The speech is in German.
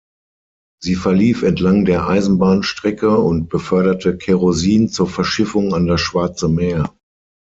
Sie verlief entlang der Eisenbahnstrecke und beförderte Kerosin zur Verschiffung an das Schwarze Meer.